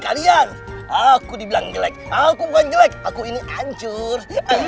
kalian aku dibilang jelek aku bukan jelek aku ini hancur